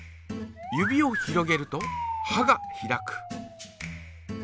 指を広げるとはが開く。